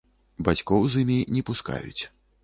Бацькоў з імі не пускаюць.